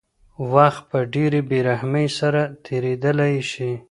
وخت په ډېرې بېرحمۍ سره تېرېدلی شي.